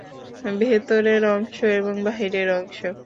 ভেতরের অংশ এবং বাহিরের অংশ।